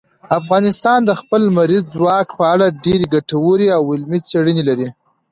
افغانستان د خپل لمریز ځواک په اړه ډېرې ګټورې او علمي څېړنې لري.